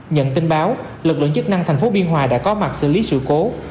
nhận tin báo lực lượng chức năng thành phố biên hòa đã có mặt xử lý sự cố